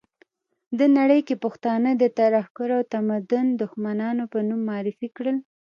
ده نړۍ کې پښتانه د ترهګرو او تمدن دښمنانو په نوم معرفي کړل.